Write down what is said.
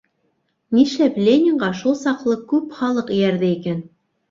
Ништәп Ленинға шул саҡлы күп халыҡ эйәрҙе икән?